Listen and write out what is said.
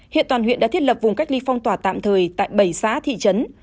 hiện toàn huyện đã thiết lập vùng cách ly phong tỏa tạm thời tại bảy xã thị trấn